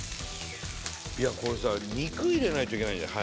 これさ肉入れないといけないんじゃない？